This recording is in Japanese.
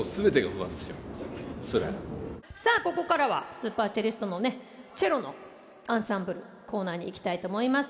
さあここからはＳｕｐｅｒＣｅｌｌｉｓｔｓのねチェロのアンサンブルコーナーにいきたいと思います。